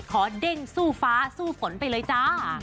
เด้งสู้ฟ้าสู้ฝนไปเลยจ้า